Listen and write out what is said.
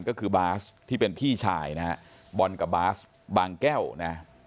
ก็คือบาสที่เป็นพี่ชายนะฮะบอลกับบาสบางแก้วนะ